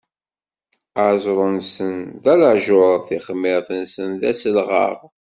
Aẓru-nsen d llajuṛ, tixmiṛt-nsen d aselɣaɣ.